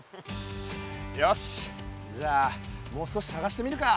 よしじゃもう少しさがしてみるか。